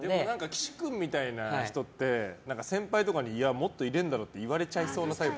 岸君みたいな人って先輩とかにもっといれるだろって言われちゃいそうなタイプ。